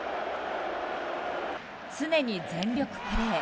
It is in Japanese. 常に全力プレー。